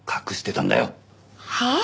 はあ！？